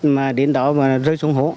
mà đến đó rơi xuống hố